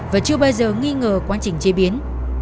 và chưa bao giờ nghi ngờ quá trình chế biến